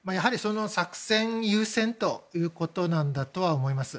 作戦優先ということなんだとは思います。